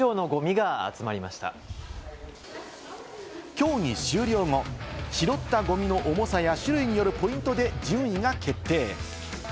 競技終了後、拾ったゴミの重さや種類によるポイントで順位が決定。